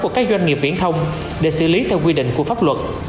của các doanh nghiệp viễn thông để xử lý theo quy định của pháp luật